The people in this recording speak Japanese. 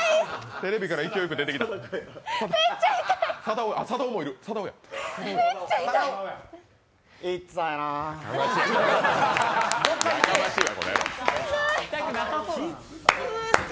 テレビから勢いよく出てきたやかましいわ。